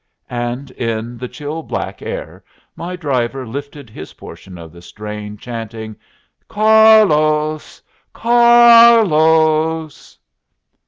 and in the chill black air my driver lifted his portion of the strain, chanting, "Car los! Car los!"